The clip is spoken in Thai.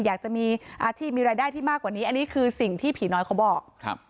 อยากจะมีอาชีพมีรายได้ที่มากกว่านี้อันนี้คือสิ่งที่ผีน้อยเขาบอกครับ